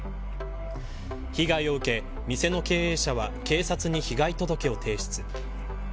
被害を受け、店の経営者は警察に被害届を提出。